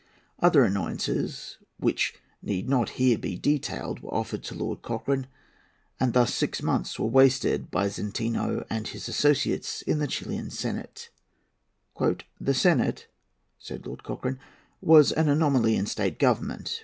Other annoyances, which need not here be detailed, were offered to Lord Cochrane, and thus six months were wasted by Zenteno and his associates in the Chilian senate. "The senate," said Lord Cochrane, "was an anomaly in state government.